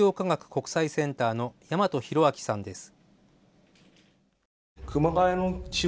国際センターの大和広明さんです。